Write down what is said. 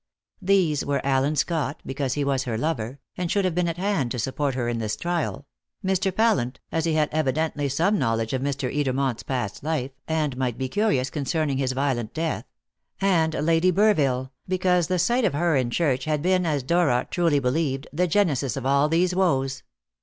These were Allen Scott, because he was her lover, and should have been at hand to support her in this trial; Mr. Pallant, as he had evidently some knowledge of Mr. Edermont's past life, and might be curious concerning his violent death; and Lady Burville, because the sight of her in church had been, as Dora truly believed, the genesis of all these woes.